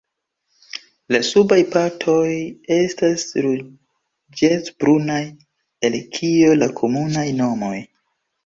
La subaj partoj estas ruĝecbrunaj, el kio la komunaj nomoj.